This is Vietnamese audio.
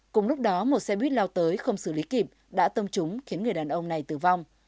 cùng lúc đó một xe buýt lao tới không xử lý kịp đã tông trúng khiến người đàn ông này tử vong